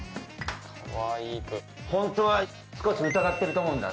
ホントは少し疑ってると思うんだ。